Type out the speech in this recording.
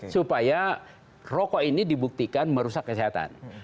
supaya rokok ini dibuktikan merusak kesehatan